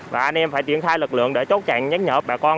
và anh em phải triển khai lực lượng để chốt chạy nhánh nhợp bà con